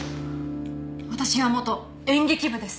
私は元演劇部です。